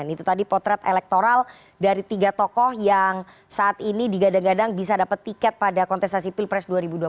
itu tadi potret elektoral dari tiga tokoh yang saat ini digadang gadang bisa dapat tiket pada kontestasi pilpres dua ribu dua puluh empat